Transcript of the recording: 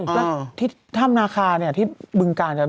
แล้วที่ถ้ามนาคาที่บึงกา